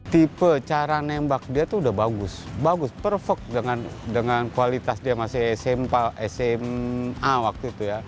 tipe cara nembak dia tuh udah bagus bagus perfect dengan kualitas dia masih sma waktu itu ya